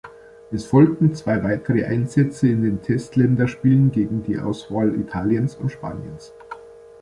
Es folgten zwei weitere Einsätze in den Test-Länderspielen gegen die Auswahl Italiens und Spaniens.